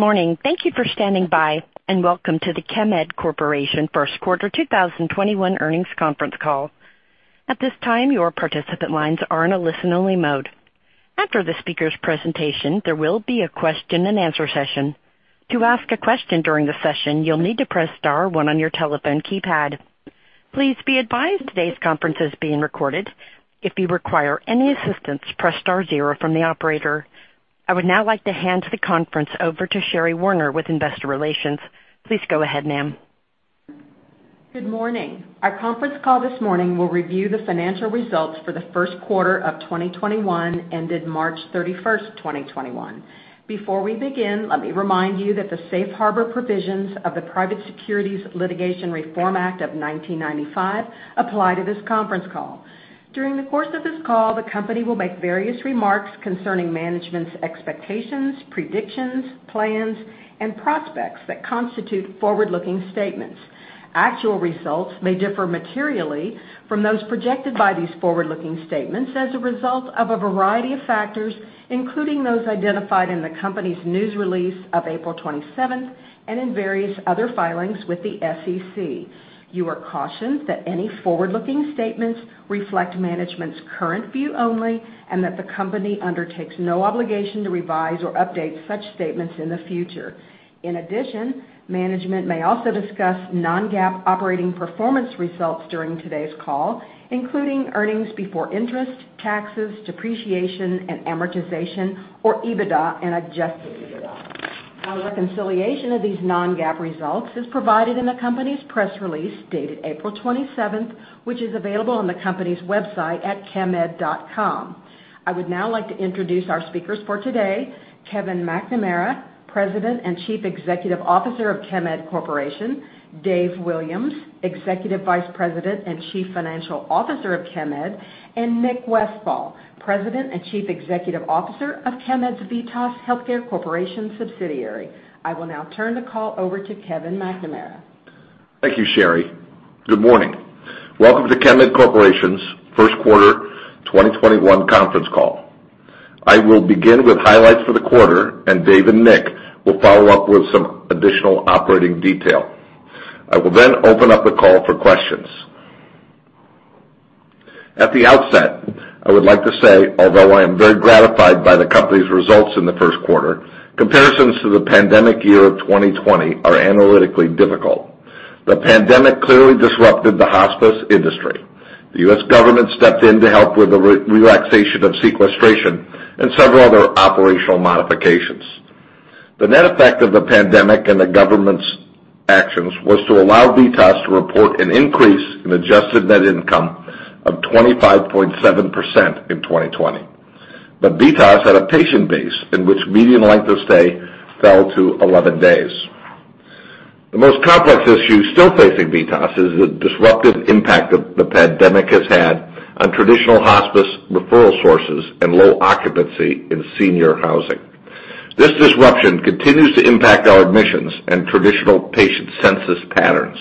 Morning. Thank you for standing by, and welcome to the Chemed Corporation first quarter 2021 earnings conference call. I would now like to hand the conference over to Sherri Warner with Investor Relations. Please go ahead, ma'am. Good morning. Our conference call this morning will review the financial results for the first quarter of 2021, ended March 31st, 2021. Before we begin, let me remind you that the safe harbor provisions of the Private Securities Litigation Reform Act of 1995 apply to this conference call. During the course of this call, the company will make various remarks concerning management's expectations, predictions, plans, and prospects that constitute forward-looking statements. Actual results may differ materially from those projected by these forward-looking statements as a result of a variety of factors, including those identified in the company's news release of April 27th and in various other filings with the SEC. You are cautioned that any forward-looking statements reflect management's current view only and that the company undertakes no obligation to revise or update such statements in the future. In addition, management may also discuss non-GAAP operating performance results during today's call, including earnings before interest, taxes, depreciation, and amortization, or EBITDA and adjusted EBITDA. Our reconciliation of these non-GAAP results is provided in the company's press release dated April 27th, which is available on the company's website at chemed.com. I would now like to introduce our speakers for today: Kevin McNamara, President and Chief Executive Officer of Chemed Corporation; Dave Williams, Executive Vice President and Chief Financial Officer of Chemed; and Nick Westfall, President and Chief Executive Officer of Chemed's VITAS Healthcare Corporation subsidiary. I will now turn the call over to Kevin McNamara. Thank you, Sherri. Good morning. Welcome to Chemed Corporation's first quarter 2021 conference call. I will begin with highlights for the quarter, and Dave and Nick will follow up with some additional operating detail. I will then open up the call for questions. At the outset, I would like to say, although I am very gratified by the company's results in the first quarter, comparisons to the pandemic year of 2020 are analytically difficult. The pandemic clearly disrupted the hospice industry. The U.S. government stepped in to help with the relaxation of sequestration and several other operational modifications. The net effect of the pandemic and the government's actions was to allow VITAS to report an increase in adjusted net income of 25.7% in 2020. VITAS had a patient base in which median length of stay fell to 11 days. The most complex issue still facing VITAS is the disruptive impact the pandemic has had on traditional hospice referral sources and low occupancy in senior housing. This disruption continues to impact our admissions and traditional patient census patterns.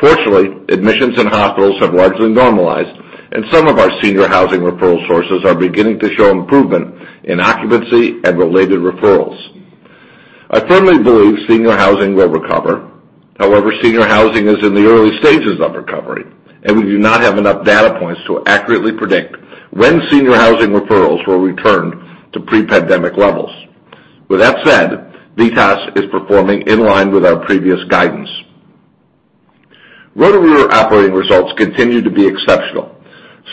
Fortunately, admissions in hospitals have largely normalized, and some of our senior housing referral sources are beginning to show improvement in occupancy and related referrals. I firmly believe senior housing will recover. Senior housing is in the early stages of recovery, and we do not have enough data points to accurately predict when senior housing referrals will return to pre-pandemic levels. With that said, VITAS is performing in line with our previous guidance. Roto-Rooter operating results continue to be exceptional.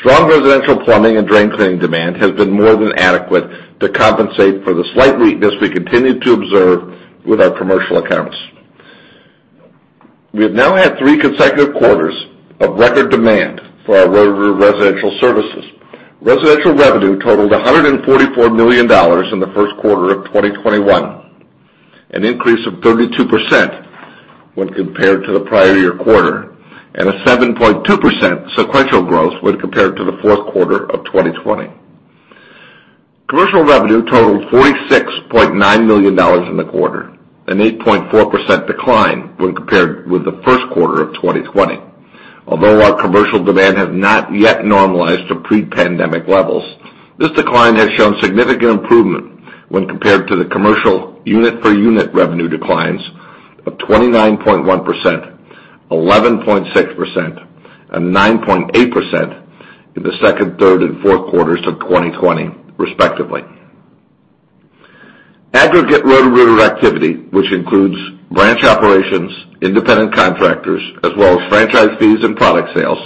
Strong residential plumbing and drain cleaning demand has been more than adequate to compensate for the slight weakness we continue to observe with our commercial accounts. We have now had three consecutive quarters of record demand for our Roto-Rooter residential services. Residential revenue totaled $144 million in the first quarter of 2021, an increase of 32% when compared to the prior year's quarter and a 7.2% sequential growth when compared to the fourth quarter of 2020. Commercial revenue totaled $46.9 million in the quarter, an 8.4% decline when compared with the first quarter of 2020. Although our commercial demand has not yet normalized to pre-pandemic levels, this decline has shown significant improvement when compared to the commercial unit-per-unit revenue declines of 29.1%, 11.6%, and 9.8% in the second, third, and fourth quarters of 2020, respectively. Aggregating Roto-Rooter activity, which includes branch operations, independent contractors, as well as franchise fees and product sales,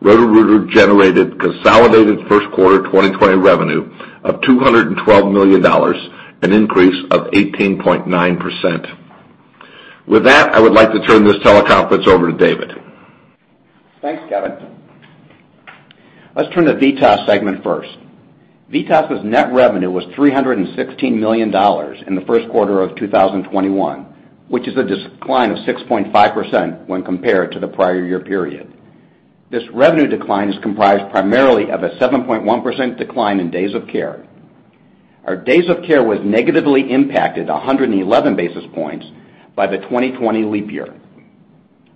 Roto-Rooter generated consolidated first-quarter 2020 revenue of $212 million, an increase of 18.9%. With that, I would like to turn this teleconference over to David. Thanks, Kevin. Let's turn to the VITAS segment first. VITAS's net revenue was $316 million in the first quarter of 2021, which is a decline of 6.5% when compared to the prior-year period. This revenue decline is comprised primarily of a 7.1% decline in days of care. Our days of care were negatively impacted 111 basis points by the 2020 leap year.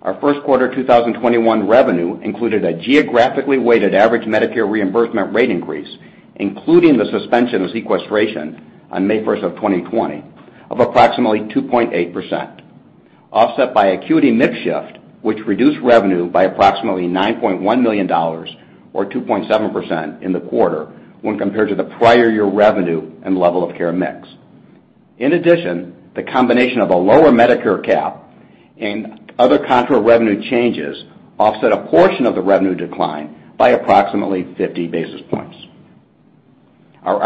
Our first quarter 2021 revenue included a geographically weighted average Medicare reimbursement rate increase, including the suspension of sequestration on May 1st of 2020, of approximately 2.8%, offset by an acuity mix shift, which reduced revenue by approximately $9.1 million, or 2.7%, in the quarter when compared to the prior year's revenue and level of care mix. In addition, the combination of a lower Medicare Cap and other contra-revenue changes offset a portion of the revenue decline by approximately 50 basis points. Our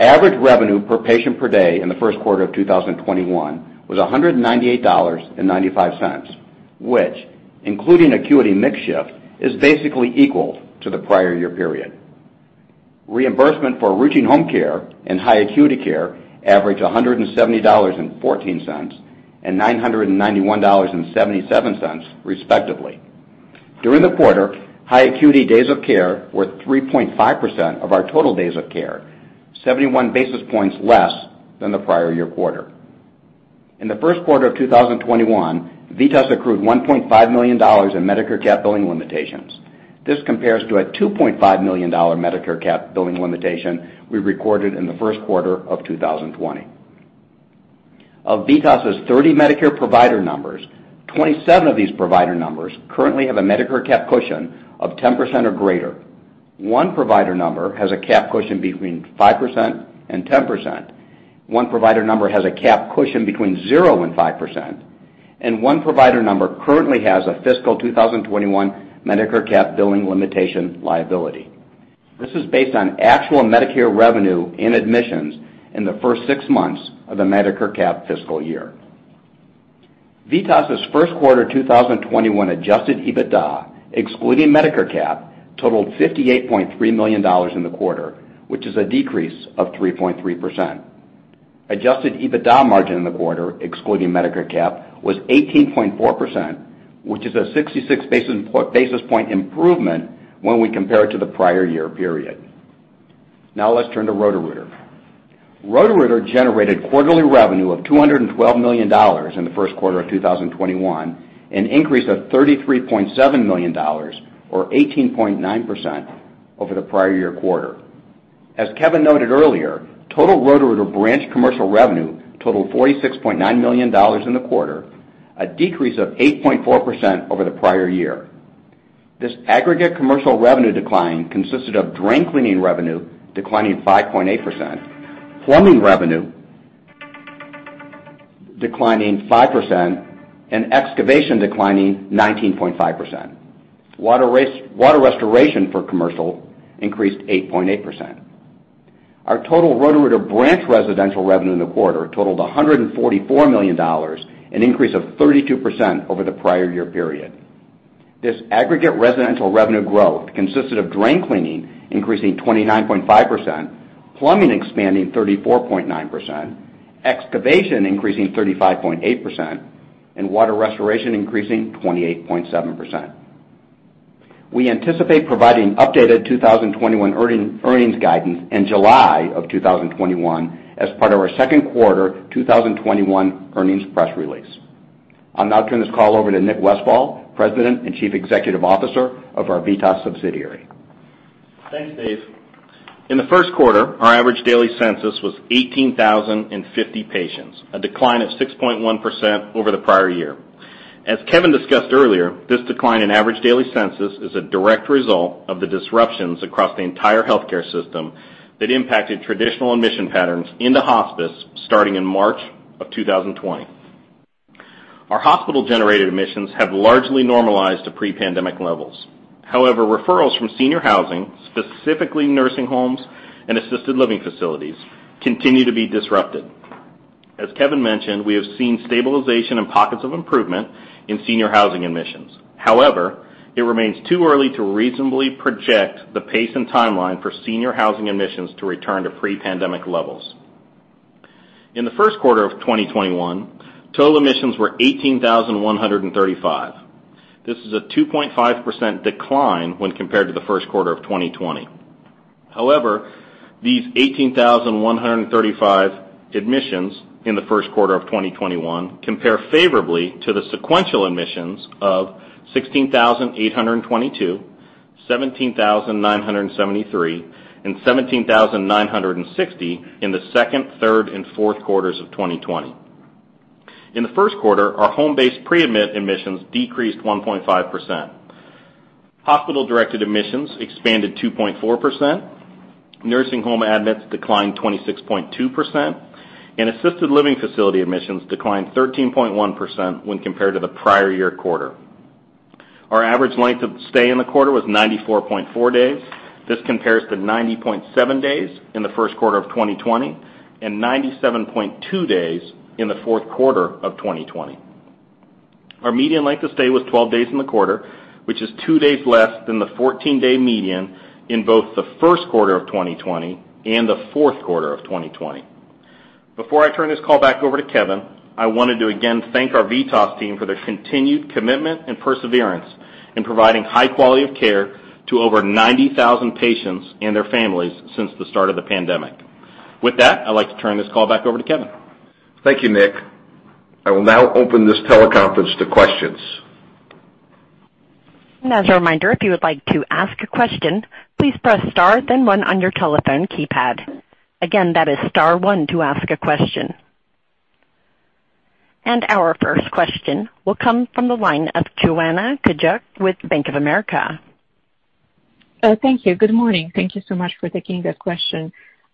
average revenue per patient per day in the first quarter of 2021 was $198.95, which, including acuity mix shift, is basically equal to the prior year period. Reimbursement for routine home care and high-acuity care averaged $170.14 and $991.77, respectively. During the quarter, high-acuity days of care were 3.5% of our total days of care, 71 basis points less than the prior-year quarter. In the first quarter of 2021, VITAS accrued $1.5 million in Medicare Cap billing limitations. This compares to a $2.5 million Medicare Cap billing limitation we recorded in the first quarter of 2020. Of VITAS's 30 Medicare provider numbers, 27 of these provider numbers currently have a Medicare Cap cushion of 10% or greater. One provider number has a cap cushion between 5% and 10%. One provider number has a cap cushion between 0% and 5%, and one provider number currently has a fiscal 2021 Medicare Cap billing limitation liability. This is based on actual Medicare revenue in admissions in the first six months of the Medicare Cap fiscal year. VITAS' first-quarter 2021 adjusted EBITDA, excluding the Medicare Cap, totaled $58.3 million in the quarter, which is a decrease of 3.3%. Adjusted EBITDA margin in the quarter, excluding Medicare Cap, was 18.4%, which is a 66 basis point improvement when we compare it to the prior-year period. Let's turn to Roto-Rooter. Roto-Rooter generated quarterly revenue of $212 million in the first quarter of 2021, an increase of $33.7 million, or 18.9%, over the prior-year quarter. As Kevin noted earlier, total Roto-Rooter branch commercial revenue totaled $46.9 million in the quarter, a decrease of 8.4% over the prior year. This aggregate commercial revenue decline consisted of drain cleaning revenue declining 5.8%, plumbing revenue declining 5%, and excavation declining 19.5%. Water restoration for commercial use increased 8.8%. Our total Roto-Rooter branch residential revenue in the quarter totaled $144 million, an increase of 32% over the prior-year period. This aggregate residential revenue growth consisted of drain cleaning increasing 29.5%, plumbing expanding 34.9%, excavation increasing 35.8%, and water restoration increasing 28.7%. We anticipate providing updated 2021 earnings guidance in July of 2021 as part of our second quarter 2021 earnings press release. I'll now turn this call over to Nick Westfall, President and Chief Executive Officer of our VITAS subsidiary. Thanks, Dave. In the first quarter, our average daily census was 18,050 patients, a decline of 6.1% over the prior year. As Kevin discussed earlier, this decline in average daily census is a direct result of the disruptions across the entire healthcare system that impacted traditional admission patterns in the hospice starting in March of 2020. Our hospital-generated admissions have largely normalized to pre-pandemic levels. However, referrals from senior housing, specifically nursing homes and assisted living facilities, continue to be disrupted. As Kevin mentioned, we have seen stabilization and pockets of improvement in senior housing admissions. However, it remains too early to reasonably project the pace and timeline for senior housing admissions to return to pre-pandemic levels. In the first quarter of 2021, total admissions were 18,135. This is a 2.5% decline when compared to the first quarter of 2020. However, these 18,135 admissions in the first quarter of 2021 compare favorably to the sequential admissions of 16,822, 17,973, and 17,960 in the second, third, and fourth quarters of 2020. In the first quarter, our home-based pre-admit admissions decreased 1.5%. Hospital-directed admissions expanded 2.4%. Nursing home admissions declined 26.2%, and assisted living facility admissions declined 13.1% when compared to the prior year quarter. Our average length of stay in the quarter was 94.4 days. This compares to 90.7 days in the first quarter of 2020 and 97.2 days in the fourth quarter of 2020. Our median length of stay was 12 days in the quarter, which is two days less than the 14-day median in both the first quarter of 2020 and the fourth quarter of 2020. Before I turn this call back over to Kevin, I wanted to again thank our VITAS team for their continued commitment and perseverance in providing high quality of care to over 90,000 patients and their families since the start of the pandemic. With that, I'd like to turn this call back over to Kevin. Thank you, Nick. I will now open this teleconference to questions. As a reminder, if you would like to ask a question, please press star then one on your telephone keypad. Again, that is star one to ask a question. Our first question will come from the line of Joanna Gajuk with Bank of America. Thank you. Good morning. Thank you so much for taking the question.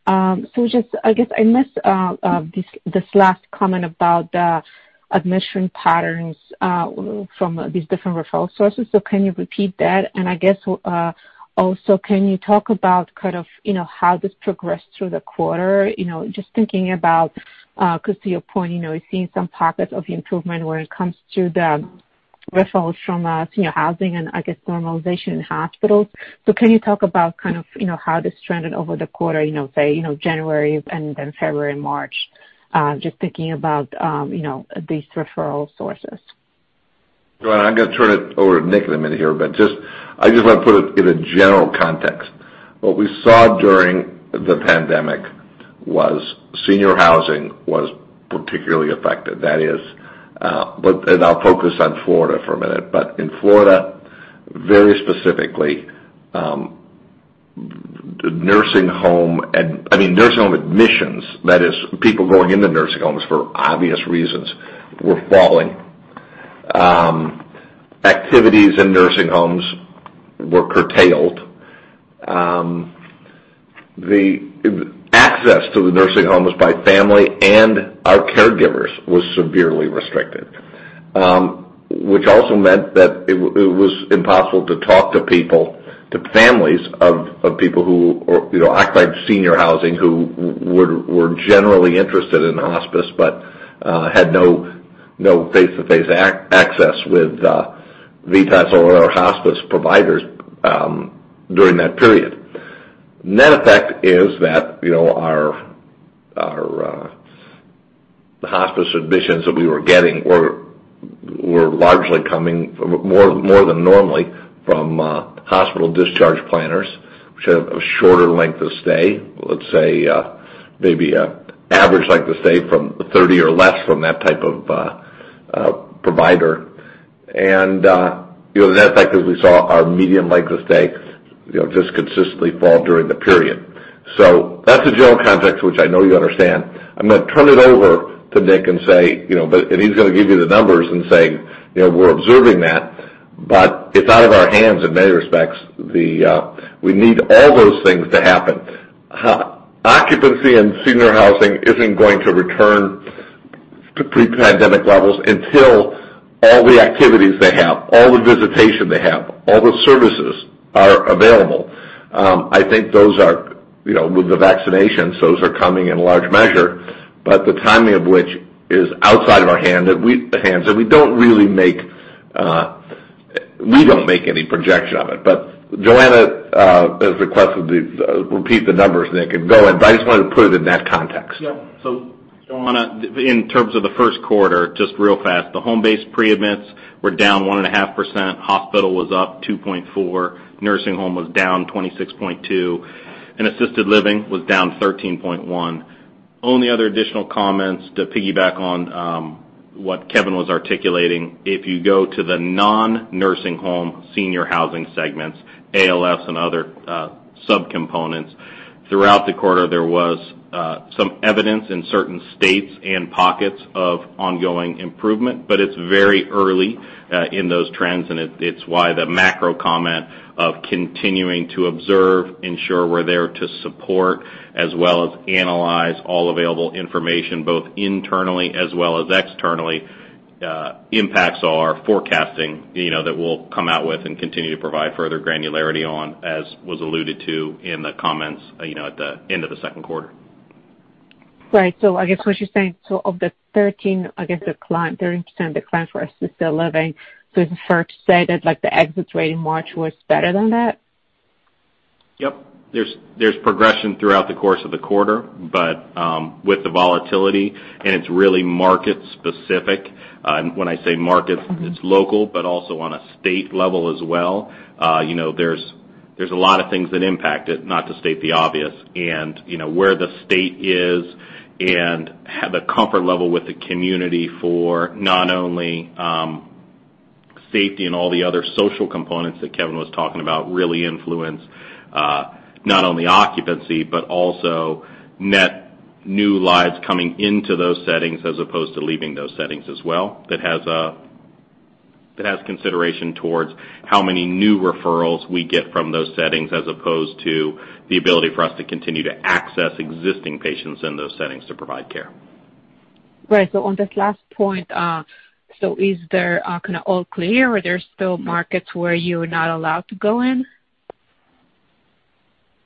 I guess I missed this last comment about the admission patterns from these different referral sources. Can you repeat that? I guess, also, can you talk about kind of how this progressed through the quarter? Just thinking about it, because to your point, you're seeing some pockets of improvement when it comes to the referrals from senior housing and I guess normalization in hospitals. Can you talk about kind of how this trended over the quarter, say, January and then February and March? Just thinking about these referral sources. Joanna, I'm going to turn it over to Nick in a minute here, but I just want to put it in a general context. What we saw during the pandemic was senior housing was particularly affected. I'll focus on Florida for a minute, but in Florida, very specifically, nursing home admissions, that is, people going into nursing homes for obvious reasons, were falling. Activities in nursing homes were curtailed. The access to the nursing homes by family and our caregivers was severely restricted, which also meant that it was impossible to talk to people, to families of people who occupied senior housing, who were generally interested in hospice but had no face-to-face access with VITAS or other hospice providers during that period. Net effect is that our hospice admissions that we were getting were largely coming, more than normally, from hospital discharge planners, which have a shorter length of stay. Let's say, maybe average length of stay from 30 or less from that type of provider. The net effect is we saw our median length of stay just consistently fall during the period. That's a general context, which I know you understand. I'm going to turn it over to Nick, and he's going to give you the numbers and say we're observing that, but it's out of our hands in many respects. We need all those things to happen. Occupancy in senior housing isn't going to return to pre-pandemic levels until all the activities they have, all the visitation they have, and all the services are available. I think those are, with the vaccinations, coming in large measure, but the timing of which is outside of our hands, and we don't make any projection of it. Joanna has requested to repeat the numbers, Nick, and go ahead, but I just wanted to put it in that context. Joanna, in terms of the first quarter, just real fast, the home-based pre-admits were down 1.5%, the hospital was up 2.4%, nursing home was down 26.2%, and assisted living was down 13.1%. Only other additional comment to piggyback on what Kevin was articulating is if you go to the non-nursing home senior housing segments, ALF and other sub-components, throughout the quarter, there was some evidence in certain states and pockets of ongoing improvement; it's very early in those trends, which is why the macro comment of continuing to observe and ensure we're there to support as well as analyze all available information, both internally as well as externally, impacts all our forecasting that we'll come out with and continue to provide further granularity on, as was alluded to in the comments at the end of the second quarter. Right. I guess I get what you're saying, so of the 13% decline for assisted living, is it fair to say that the exit rate in March was better than that? Yep. There's progression throughout the course of the quarter, but with the volatility, it's really market-specific. When I say market, it's local, but also on a state level as well. There are a lot of things that impact it, not to state the obvious. Where the state is and have a comfort level with the community for not only safety and all the other social components that Kevin was talking about really influence not only occupancy but also net new lives coming into those settings as opposed to leaving those settings as well. That has consideration towards how many new referrals we get from those settings as opposed to the ability for us to continue to access existing patients in those settings to provide care. Right. On this last point, is there kind of all clear, or are there still markets where you're not allowed to go in?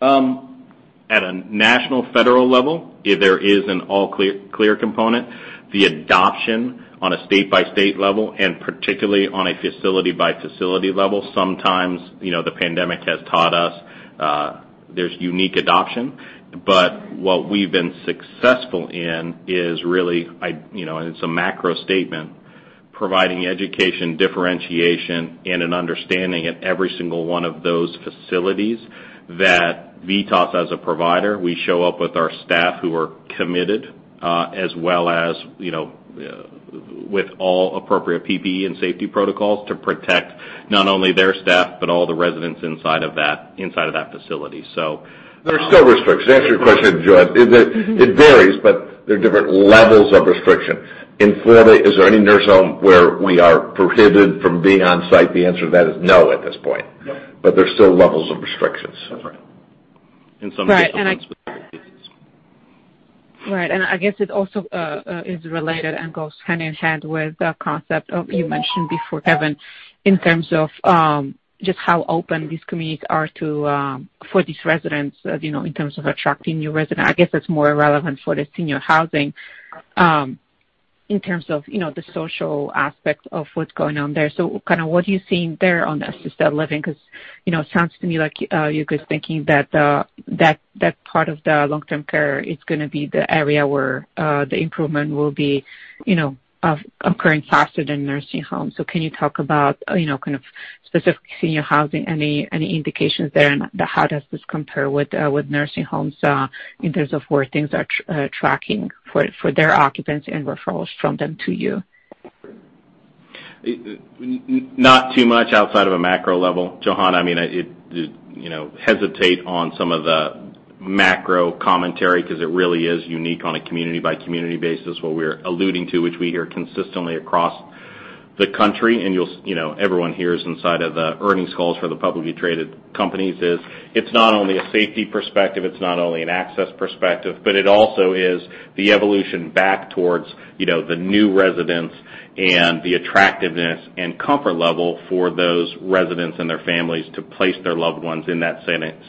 At a national federal level, there is an all-clear component. The adoption on a state-by-state level, and particularly on a facility-by-facility level, sometimes, the pandemic has taught us, there's unique adoption. What we've been successful in is really, and it's a macro statement: Providing education, differentiation, and an understanding at every single one of those facilities that VITAS as a provider, shows up with our staff who are committed, as well as with all appropriate PPE and safety protocols to protect not only their staff but all the residents inside of that facility. There are still restrictions. To answer your question, Joan. It varies; there are different levels of restriction. In Florida, is there any nursing home where we are prohibited from being on-site? The answer to that is no at this point. Yep. There are still levels of restrictions. That's right. In some cases, on specific cases. Right. I guess it also is related and goes hand in hand with the concept you mentioned before, Kevin, in terms of just how open these communities are for these residents in terms of attracting new residents. I guess it's more relevant for the senior housing in terms of the social aspects of what's going on there. What are you seeing there in the assisted living? Because it sounds to me like your guys thinking that part of the long-term care is going to be the area where the improvement will be occurring faster than nursing homes. Can you talk about, kind of specifically, senior housing and any indications there, and how does this compare with nursing homes in terms of where things are tracking for their occupancy and referrals from them to you? Not too much outside of a macro level, Joanna. I hesitate on some of the macro commentary because it really is unique on a community-by-community basis, what we're alluding to, which we hear consistently across the country, and everyone hears inside of the earnings calls for the publicly traded companies, is it's not only a safety perspective, it's not only an access perspective, but it also is the evolution back towards the new residents and the attractiveness and comfort level for those residents and their families to place their loved ones in that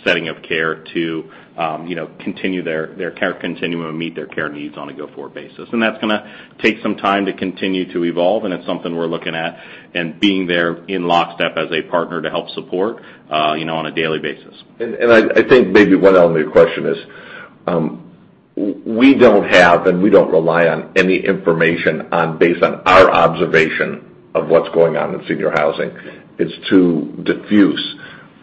setting of care to continue their care continuum and meet their care needs on a go-forward basis. That's going to take some time to continue to evolve, and it's something we're looking at and being there in lockstep as a partner to help support on a daily basis. I think maybe one element of your question is we don't have, and we don't rely on, any information based on our observation of what's going on in senior housing. It's too diffuse.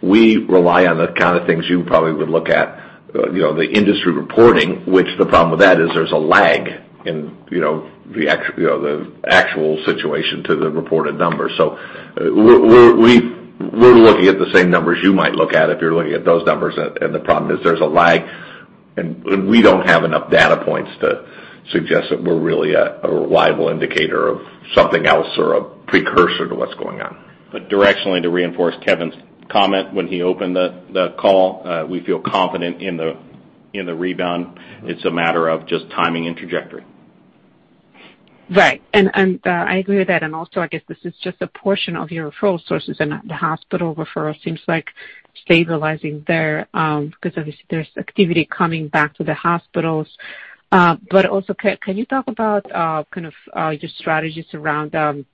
We rely on the kind of things you probably would look at, the industry reporting, and the problem with that is there's a lag in the actual situation to the reported numbers. We're looking at the same numbers you might look at if you're looking at those numbers, and the problem is there's a lag, and we don't have enough data points to suggest that we're really a reliable indicator of something else or a precursor to what's going on. Directionally, to reinforce Kevin's comment when he opened the call, we feel confident in the rebound. It's a matter of just timing and trajectory. Right. I agree with that. Also, I guess this is just a portion of your referral sources, and the hospital referral seems like stabilizing there, because obviously, there's activity coming back to the hospitals. Also, can you talk about your strategies around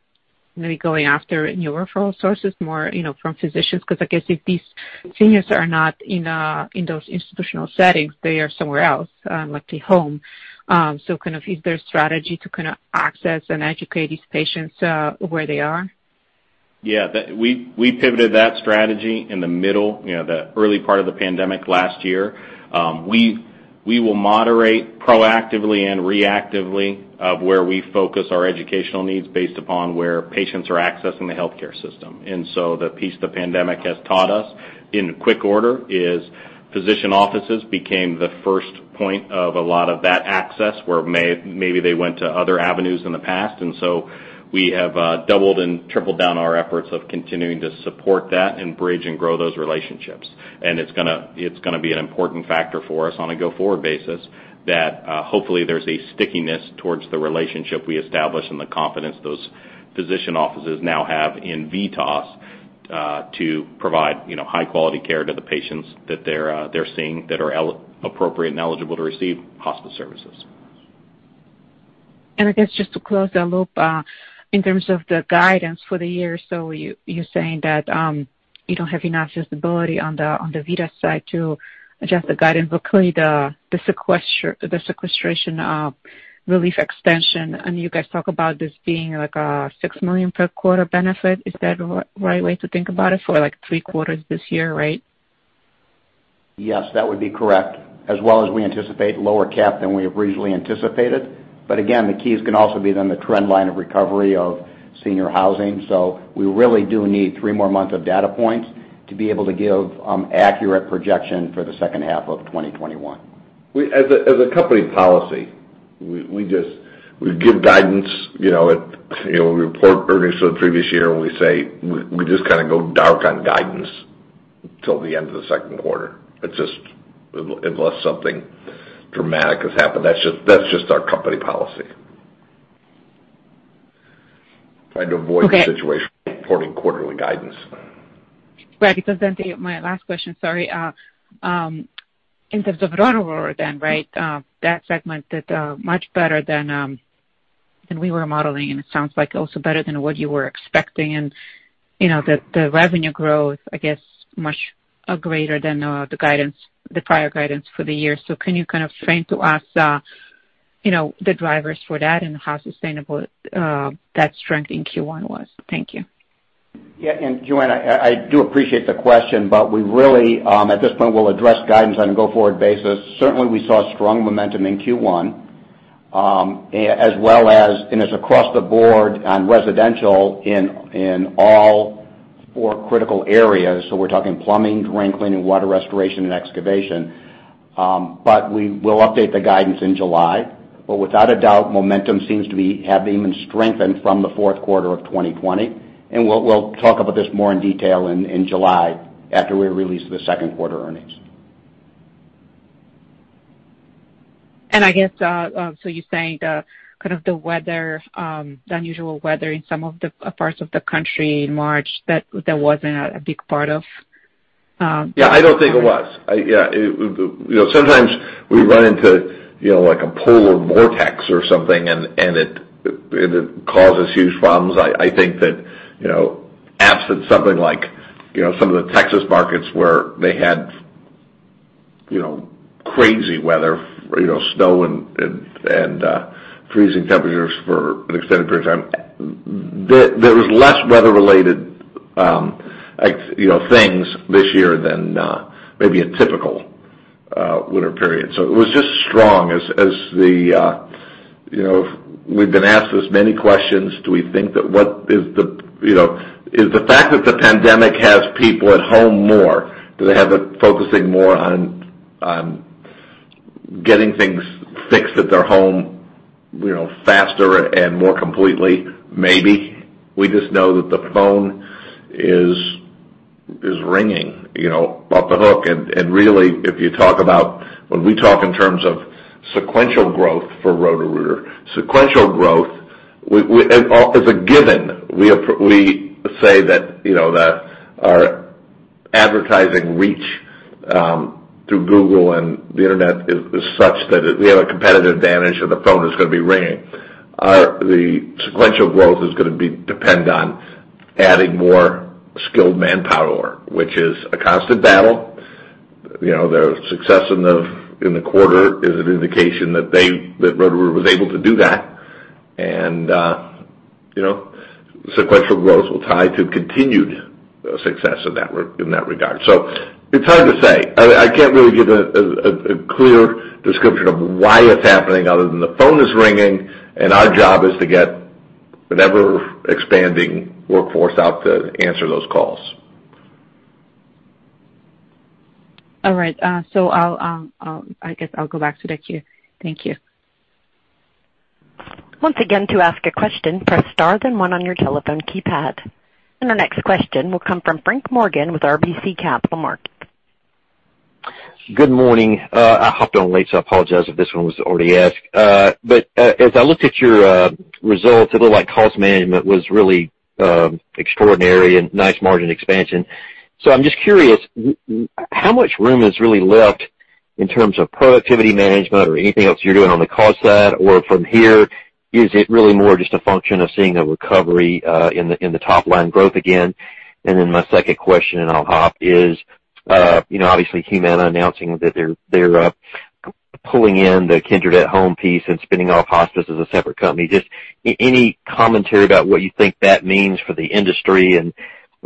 maybe going after new referral sources more, from physicians? I guess if these seniors are not in those institutional settings, they are somewhere else, like the home. Is there a strategy to access and educate these patients where they are? Yeah. We pivoted that strategy in the middle, the early part of the pandemic last year. We will moderate proactively and reactively where we focus our educational needs based upon where patients are accessing the healthcare system. The piece the pandemic has taught us in quick order is physician offices became the first point of a lot of that access, whereas maybe they went to other avenues in the past. We have doubled and tripled down on our efforts of continuing to support that and bridge and grow those relationships. It's going to be an important factor for us on a go-forward basis that hopefully there's stickiness towards the relationship we establish and the confidence those physician offices now have in VITAS to provide high-quality care to the patients that they're seeing that are appropriate and eligible to receive hospice services. I guess just to close the loop, in terms of the guidance for the year, you're saying that you don't have enough visibility on the VITAS side to adjust the guidance. Clearly, the sequestration relief extension, and you guys talk about this being like a $6 million per quarter benefit. Is that the right way to think about it for like three quarters this year, right? Yes, that would be correct. Also, we anticipate a lower cap than we have originally anticipated. Again, the keys can also be the trend line of recovery of senior housing. We really do need three more months of data points to be able to give an accurate projection for the second half of 2021. As a company policy, we give guidance, we report earnings for the previous year, and we just kind of go dark on guidance till the end of the second quarter. Unless something dramatic has happened. That's just our company policy. Trying to avoid the situation of reporting quarterly guidance. Right. Because that's my last question, sorry. In terms of Roto-Rooter then. That segment did much better than we were modeling, and it sounds like also better than what you were expecting, and the revenue growth, I guess, is much greater than the prior guidance for the year. Can you kind of explain to us the drivers for that and how sustainable that strength in Q1 was? Thank you. Yeah. Joanna, I do appreciate the question; we really, at this point, will address guidance on a go-forward basis. Certainly, we saw strong momentum in Q1, as well as across the board in residential in all four critical areas. We're talking plumbing, drain cleaning, water restoration, and excavation. We will update the guidance in July. Without a doubt, momentum seems to have even strengthened from the fourth quarter of 2020. We'll talk about this more in detail in July after we release the second quarter earnings. I guess you're saying the kind of unusual weather in some of the parts of the country in March wasn't a big part of it? Yeah, I don't think it was. Yeah. Sometimes we run into a polar vortex or something, and it causes huge problems. I think that, absent something like some of the Texas markets where they had crazy weather, snow, and freezing temperatures for an extended period of time, there were fewer weather-related things this year than maybe a typical winter period. It was just strong. We've been asked this many questions, is the fact that the pandemic has people at home more, do they have it focusing more on getting things fixed at their home faster and more completely? Maybe. We just know that the phone is ringing off the hook. Really, when we talk in terms of sequential growth for Roto-Rooter, sequential growth is a given. We say that our advertising reach through Google and the internet is such that we have a competitive advantage, the phone is going to be ringing. The sequential growth is going to depend on adding more skilled manpower, which is a constant battle. The success in the quarter is an indication that Roto-Rooter was able to do that. Sequential growth will tie to continued success in that regard. It's hard to say. I can't really give a clear description of why it's happening other than the phone is ringing, and our job is to get an ever-expanding workforce out to answer those calls. All right. I guess I'll go back to the queue. Thank you. Our next question will come from Frank Morgan with RBC Capital Markets. Good morning. I hopped on late, so I apologize if this one was already asked. As I looked at your results, it looked like cost management was really extraordinary and nice margin expansion. I'm just curious: how much room is really left in terms of productivity management or anything else you're doing on the cost side? From here, is it really more just a function of seeing a recovery in the top-line growth again? My second question, and I'll hop, is obviously: Is Humana announcing that they're pulling in the Kindred at Home piece and spinning off Hospice as a separate company? Any commentary about what you think that means for the industry, and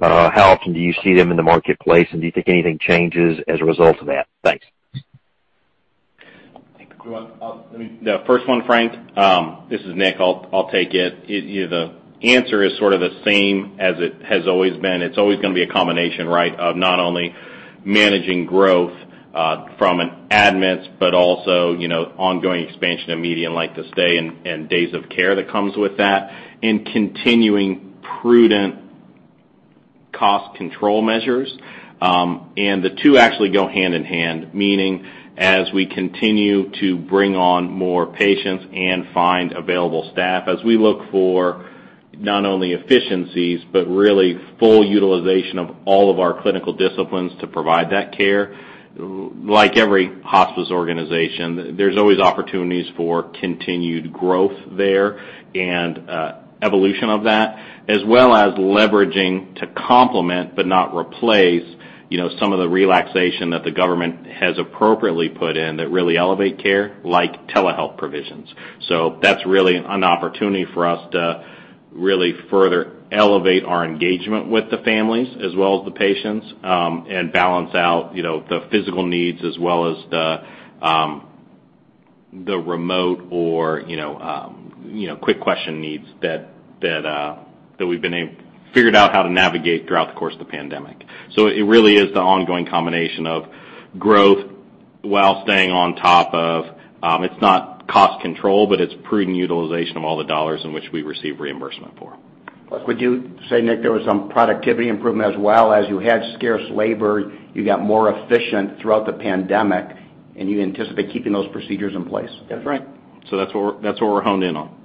how often do you see them in the marketplace, and do you think anything changes as a result of that? Thanks. The first one, Frank, this is Nick; I'll take it. The answer is sort of the same as it has always been. It's always going to be a combination, right, of not only managing growth from an admits, but also ongoing expansion of median length of stay and days of care that comes with that, and continuing prudent cost control measures. The two actually go hand in hand, meaning as we continue to bring on more patients and find available staff, we look for not only efficiencies but really full utilization of all of our clinical disciplines to provide that care. Like every hospice organization, there are always opportunities for continued growth there and evolution of that, as well as leveraging to complement, but not replace, some of the relaxation that the government has appropriately put in that really elevates care, like telehealth provisions. That's really an opportunity for us to really further elevate our engagement with the families as well as the patients and balance out the physical needs as well as the remote or quick question needs that we've figured out how to navigate throughout the course of the pandemic. It really is the ongoing combination of growth while staying on top of it; it's not cost control, but it's prudent utilization of all the dollars for which we receive reimbursement. Would you say, Nick, there was some productivity improvement as well as you had scarce labor, you got more efficient throughout the pandemic, and you anticipate keeping those procedures in place? That's right. That's what we're honed in on.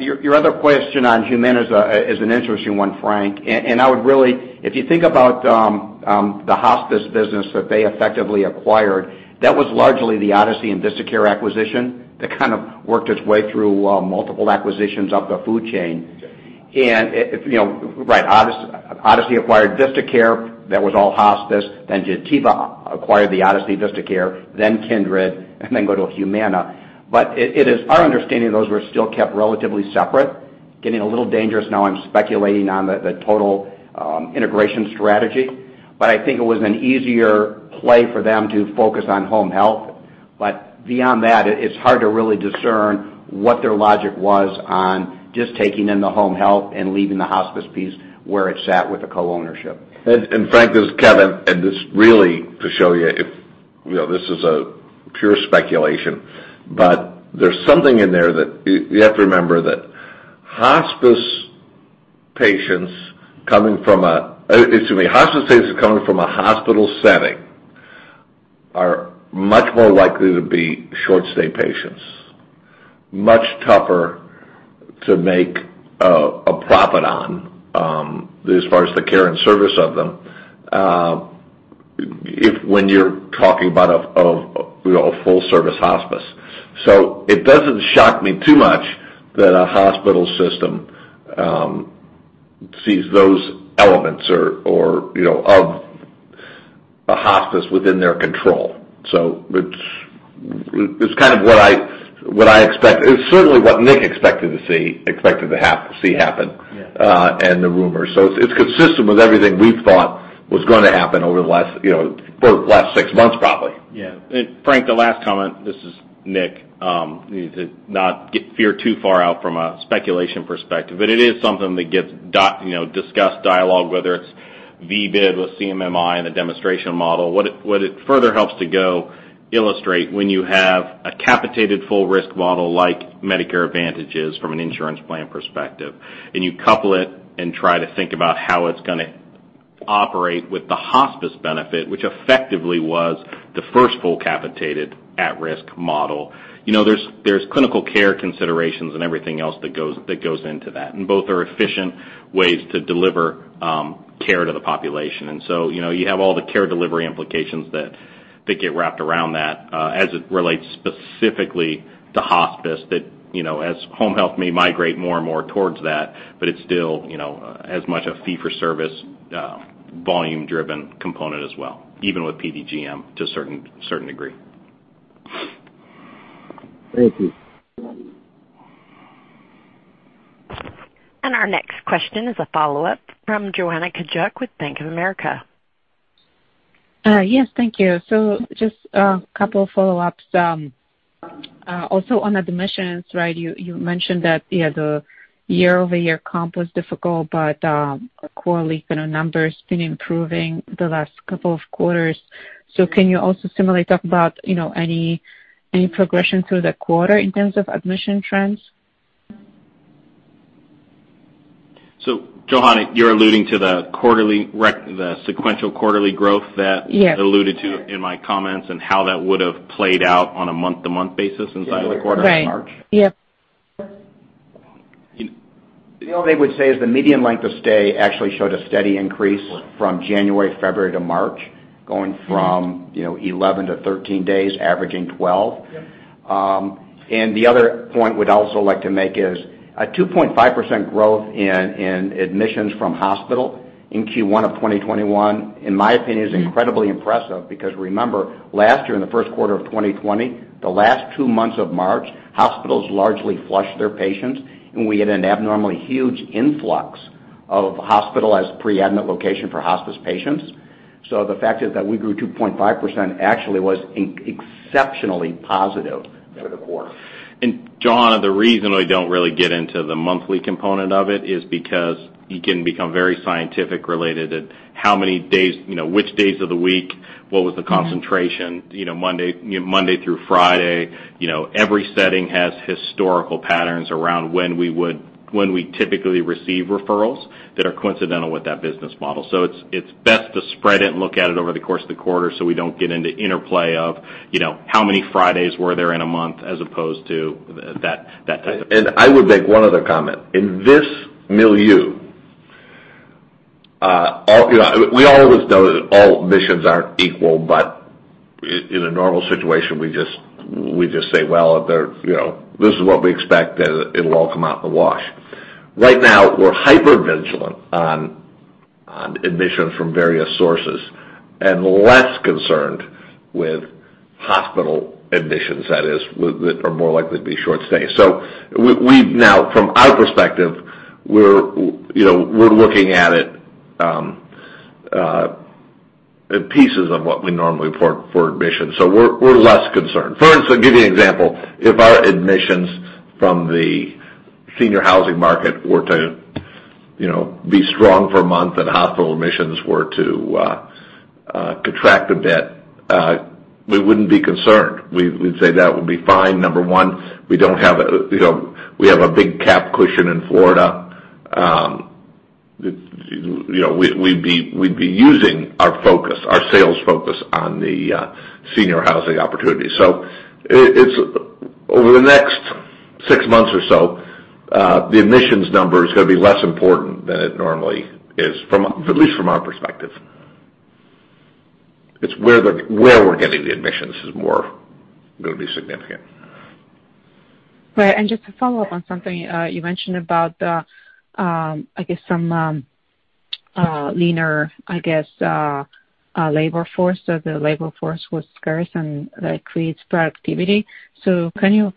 Your other question on Humana is an interesting one, Frank. If you think about the hospice business that they effectively acquired, that was largely the Odyssey and VistaCare acquisition that kind of worked its way through multiple acquisitions up the food chain. Yeah. Right. Odyssey acquired VistaCare, which was all hospice. Gentiva acquired Odyssey VistaCare, then Kindred, and then went to Humana. It is our understanding those were still kept relatively separate. Getting a little dangerous now—I'm speculating on the total integration strategy. I think it was an easier play for them to focus on home health. Beyond that, it's hard to really discern what their logic was on just taking in the home health and leaving the hospice piece where it sat with the co-ownership. Frank, this is Kevin. Just really to show you, this is pure speculation, but there's something in there that you have to remember: hospice patients coming from a hospital setting are much more likely to be short-stay patients. Much tougher to make a profit on, as far as the care and service of them, if when you're talking about a full-service hospice. It doesn't shock me too much that a hospital system sees those elements or of a hospice within their control. It's kind of what I expect. It's certainly what Nick expected to see happen. Yeah. The rumors. It's consistent with everything we thought was going to happen over the last six months, probably. Yeah. Frank, the last comment, this is Nick. To not get fear too far out from a speculation perspective, but it is something that gets discussed in dialogue, whether it's VBID with CMMI and the demonstration model. What it further helps to go illustrate when you have a capitated full risk model like Medicare Advantage is from an insurance plan perspective, and you couple it and try to think about how it's going to operate with the hospice benefit, which effectively was the first full capitated at-risk model. There's clinical care considerations and everything else that goes into that. Both are efficient ways to deliver care to the population. You have all the care delivery implications that get wrapped around that as it relates specifically to hospice, as home health may migrate more and more towards that, but it's still as much a fee-for-service, volume-driven component as well, even with PDGM to a certain degree. Thank you. Our next question is a follow-up from Joanna Gajuk with Bank of America. Yes. Thank you. Just a couple follow-ups. On admissions, right, you mentioned that the year-over-year comp was difficult, but quarterly numbers have been improving the last couple of quarters. Can you also similarly talk about any progression through the quarter in terms of admission trends? Joanna, you're alluding to the sequential quarterly growth. Yes I alluded to in my comments and how that would have played out on a month-to-month basis inside of the quarter of March. Right. Yep. The only thing I would say is the median length of stay actually showed a steady increase from January and February to March, going from 11-13 days, averaging 12. The other point we'd also like to make is a 2.5% growth in admissions from hospitals in Q1 of 2021, in my opinion, is incredibly impressive because, remember, last year in the first quarter of 2020, the last two months of March, hospitals largely flushed their patients, and we had an abnormally huge influx of hospitalized pre-admission locations for hospice patients. The fact that we grew 2.5% actually was exceptionally positive for the quarter. Joanna, the reason we don't really get into the monthly component of it is because it can become very scientific related to how many days, which days of the week, what the concentration was, Monday through Friday. Every setting has historical patterns around when we typically receive referrals that are coincidental with that business model. It's best to spread it and look at it over the course of the quarter so we don't get into an interplay of how many Fridays there were in a month as opposed to that type of thing. I would make one other comment. In this milieu, we always know that admissions aren't equal, but in a normal situation, we just say, Well, this is what we expect, and it'll all come out in the wash. Right now, we're hypervigilant on admissions from various sources and less concerned with hospital admissions that are more likely to be short stays. We've now, from our perspective, we're looking at it in pieces of what we normally report for admission. We're less concerned. For instance, I'll give you an example. If our admissions from the senior housing market were to be strong for a month and hospital admissions were to contract a bit, we wouldn't be concerned. We'd say, That would be fine. Number one, we have a big cap cushion in Florida. We'd be using our focus, our sales focus, on the senior housing opportunity. It's over the next six months or so; the admissions number is going to be less important than it normally is, at least from our perspective. It's where we're getting the admissions, which is going to be more significant. Right. Just to follow up on something you mentioned about the leaner labor force. The labor force was scarce, and that creates productivity. Can you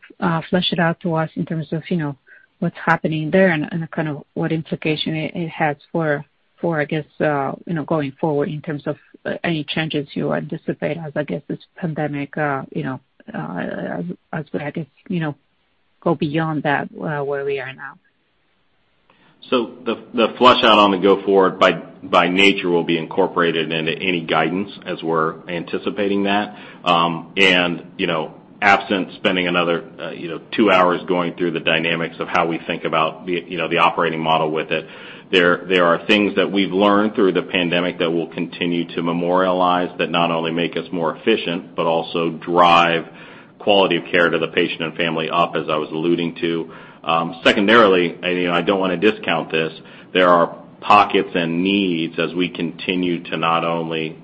flesh it out for us in terms of what's happening there and kind of what implication it has for going forward in terms of any changes you anticipate as this pandemic go beyond that, where we are now? The flush-out on the go forward by nature will be incorporated into any guidance as we're anticipating that. Absent spending another two hours going through the dynamics of how we think about the operating model with it, there are things that we've learned through the pandemic that we'll continue to memorialize that not only make us more efficient but also drive the quality of care for the patient and family up, as I was alluding to. Secondarily, and I don't want to discount this, there are pockets and needs as we continue to not only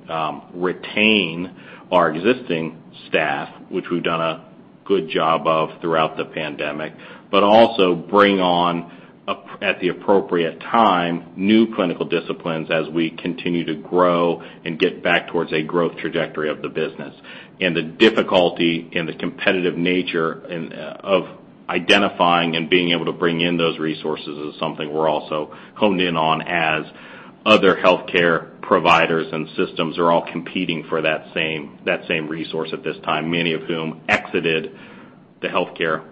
retain our existing staff, which we've done a good job of throughout the pandemic, but also bring on, at the appropriate time, new clinical disciplines as we continue to grow and get back towards a growth trajectory of the business. The difficulty and the competitive nature of identifying and being able to bring in those resources is something we're also honed in on as other healthcare providers and systems are all competing for that same resource at this time, many of whom exited the healthcare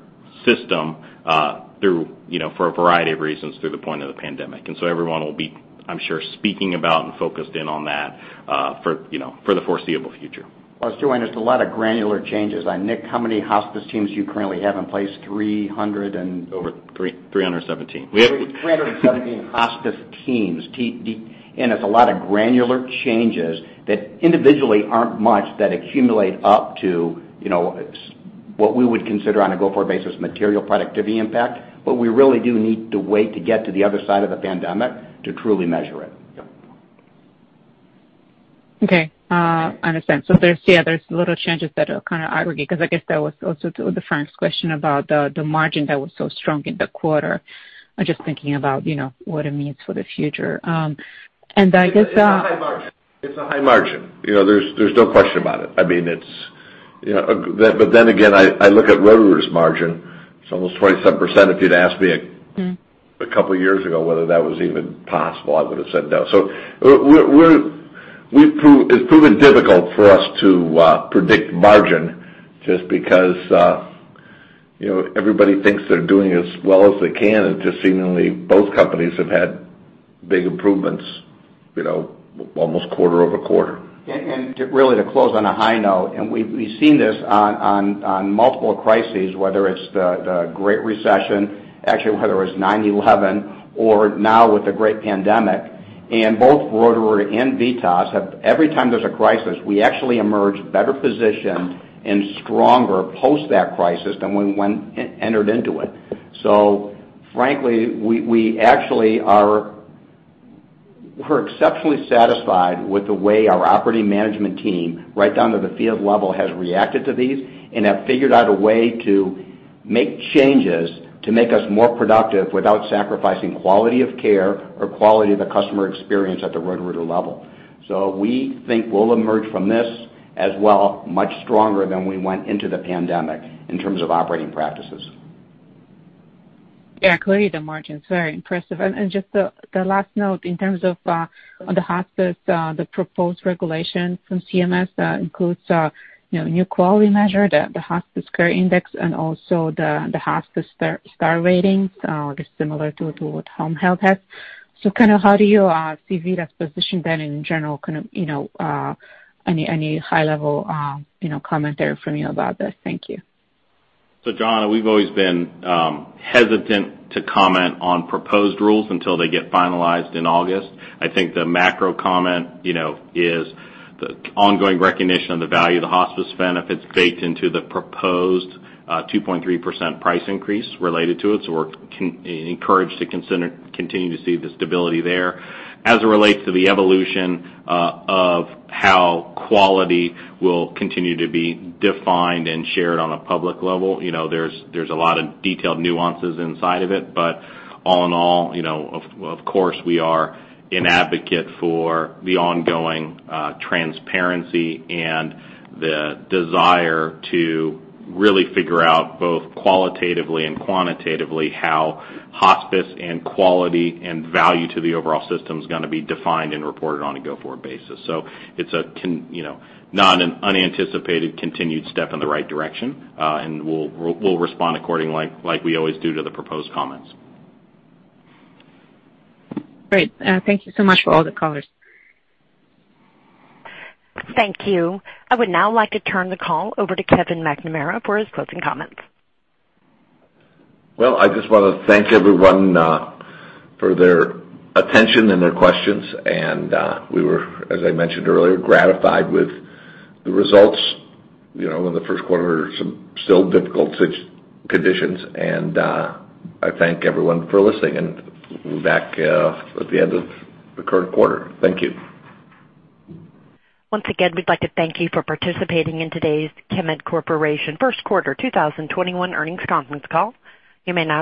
system for a variety of reasons through the point of the pandemic. Everyone will be, I'm sure, speaking about and focused in on that for the foreseeable future. Joanna, there are a lot of granular changes. Nick, how many hospice teams do you currently have in place? Over 317. 317 hospice teams. It's a lot of granular changes that individually aren't much that accumulate up to what we would consider, on a go-forward basis, a material productivity impact. We really do need to wait to get to the other side of the pandemic to truly measure it. Yep. Okay. I understand. There are, yeah, there are few changes that will kind of aggravate, because I guess that was also to Frank's question about the margin that was so strong in the quarter. I'm just thinking about what it means for the future. I guess— It's a high margin. There's no question about it. I look at Roto-Rooter's margin; it's almost 27%. If you'd asked me a couple of years ago whether that was even possible, I would've said no. It's proven difficult for us to predict margin just because everybody thinks they're doing as well as they can, and just seemingly, both companies have had big improvements almost quarter over quarter. Really, to close on a high note, and we've seen this on multiple crises, whether it's the Great Recession, actually, whether it was 9/11 or now with the great pandemic, and both Roto-Rooter and VITAS have; every time there's a crisis, we actually emerge better positioned and stronger post that crisis than when we entered into it. Frankly, we're exceptionally satisfied with the way our operating management team, right down to the field level, has reacted to these and has figured out a way to make changes to make us more productive without sacrificing quality of care or quality of the customer experience at the Roto-Rooter level. We think we'll emerge from this as well, much stronger than we went into the pandemic in terms of operating practices. Yeah, clearly the margin's very impressive. Just the last note in terms of the hospice, the proposed regulation from CMS includes a new quality measure, the Hospice Care Index, and also the Hospice Star ratings, I guess, similar to what home health has. How do you see VITAS positioned then in general, any high level comment there from you about this? Thank you. Joanna, we've always been hesitant to comment on proposed rules until they get finalized in August. I think the macro comment is the ongoing recognition of the value of the hospice benefits baked into the proposed 2.3% price increase related to it. We're encouraged to continue to see the stability there. As it relates to the evolution of how quality will continue to be defined and shared on a public level, there are a lot of detailed nuances inside of it, but all in all, of course, we are an advocate for the ongoing transparency and the desire to really figure out both qualitatively and quantitatively how hospice and quality and value to the overall system is going to be defined and reported on a go-forward basis. It's a non-unanticipated, continued step in the right direction. We'll respond accordingly like we always do to the proposed comments. Great. Thank you so much for all the color. Thank you. I would now like to turn the call over to Kevin McNamara for his closing comments. Well, I just want to thank everyone for their attention and their questions. We were, as I mentioned earlier, gratified with the results in the first quarter. Still difficult conditions, and I thank everyone for listening. We're back at the end of the current quarter. Thank you. Once again, we'd like to thank you for participating in today's Chemed Corporation first quarter 2021 earnings conference call. You may now disconnect.